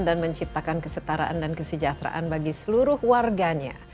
dan menciptakan kesetaraan dan kesejahteraan bagi seluruh warganya